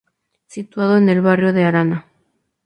Situado en el barrio de Arana.